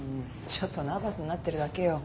ちょっとナーバスになってるだけよ。